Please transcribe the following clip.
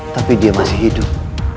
tapi dia masih hidup